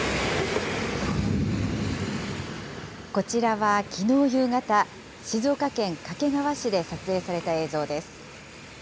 こちらはきのう夕方、静岡県掛川市で撮影された映像です。